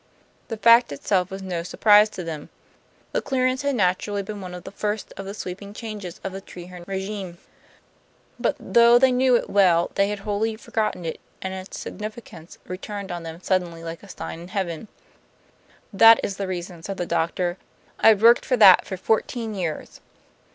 The fact itself was no surprise to them; the clearance had naturally been one of the first of the sweeping changes of the Treherne regime. But though they knew it well, they had wholly forgotten it; and its significance returned on them suddenly like a sign in heaven. "That is the reason," said the doctor. "I have worked for that for fourteen years."